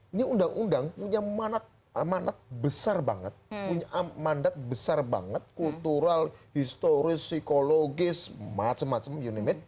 ini undang undang punya mandat besar banget punya mandat besar banget kultural historis psikologis macem macem you name it